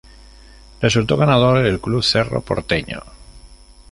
Resultó ganador el Club Cerro Porteño.